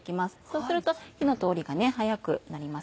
そうすると火の通りが早くなりますね。